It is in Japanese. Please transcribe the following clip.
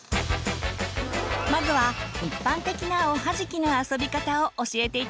まずは一般的なおはじきの遊び方を教えて頂きます。